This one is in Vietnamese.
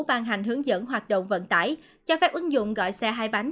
ban hành hướng dẫn hoạt động vận tải cho phép ứng dụng gọi xe hai bánh